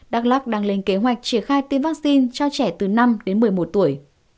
đắk lắc đang lên kế hoạch triển khai tiêm vaccine cho trẻ từ năm đến một mươi một tuổi